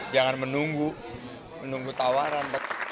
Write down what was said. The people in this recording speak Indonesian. jangan menunggu menunggu tawaran